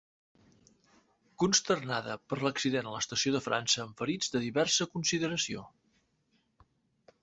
Consternada per l’accident a l’estació de França amb ferits de diversa consideració.